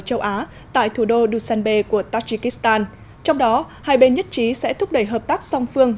châu á tại thủ đô dusanbe của tajikistan trong đó hai bên nhất trí sẽ thúc đẩy hợp tác song phương